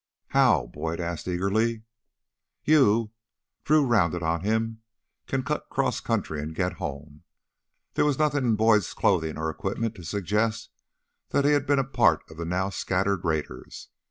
"How?" Boyd asked eagerly. "You" Drew rounded on him "can cut cross country and get home!" There was nothing in Boyd's clothing or equipment to suggest that he had been a part of the now scattered raiders.